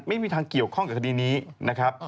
ไม่มีทางเกี่ยวข้องกับคดีนี้นะครับ